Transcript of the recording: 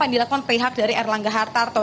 yang dilakukan pihak dari erlangga hartarto